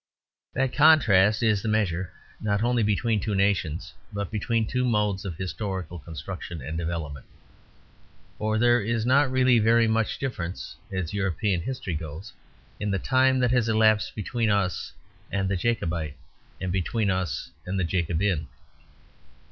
That contrast is the measure, not only between two nations, but between two modes of historical construction and development. For there is not really very much difference, as European history goes, in the time that has elapsed between us and the Jacobite and between us and the Jacobin.